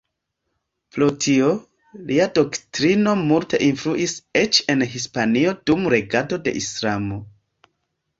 Pro tio, lia doktrino multe influis eĉ en Hispanio dum regado de Islamo.